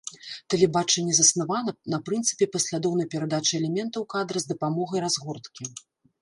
Тэлебачанне заснавана на прынцыпе паслядоўнай перадачы элементаў кадра з дапамогай разгорткі.